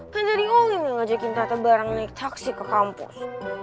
kan tadi olin yang ngajakin tata bareng naik taksi ke kampus